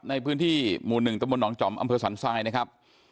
ในพื้นที่หมู่๑ตะบนหนองจอมอำเภอสันทรายนะครับ